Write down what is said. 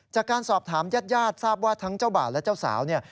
จากการสอบถามญาติญาติทราบว่าทั้งเจ้าบ่าวและเจ้าสาวเนี่ย